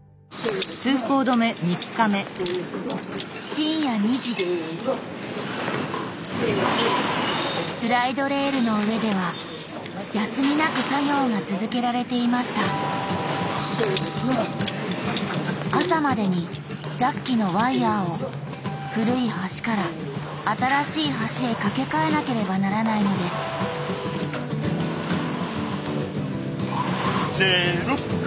深夜２時スライドレールの上では休みなく作業が続けられていました朝までにジャッキのワイヤーを古い橋から新しい橋へ架け替えなければならないのですせの！